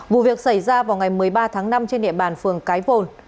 vụ việc xảy ra vào ngày một mươi ba tháng năm trên địa bàn phường cái vồn